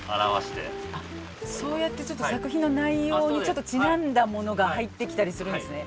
ああそうやってちょっと作品の内容にちょっとちなんだものが入ってきたりするんですね。